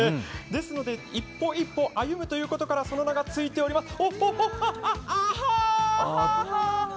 ですので、１歩１歩歩むということから、その名がついております。